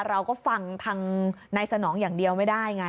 เราก็ฟังทางนายสนองอย่างเดียวไม่ได้ไง